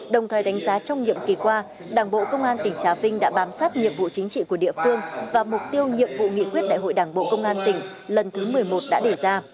đồng thời đánh giá trong nhiệm kỳ qua đảng bộ công an tỉnh trà vinh đã bám sát nhiệm vụ chính trị của địa phương và mục tiêu nhiệm vụ nghị quyết đại hội đảng bộ công an tỉnh lần thứ một mươi một đã đề ra